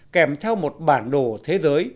kèm theo một bản đồ thế giới